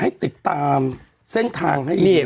ให้ติดตามเส้นทางให้ดี